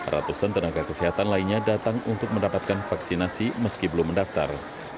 ratusan tenaga kesehatan lainnya datang untuk mendapatkan vaksinasi meski belum mendaftar